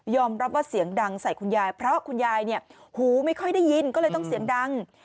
รับว่าเสียงดังใส่คุณยายเพราะคุณยายเนี่ยหูไม่ค่อยได้ยินก็เลยต้องเสียงดัง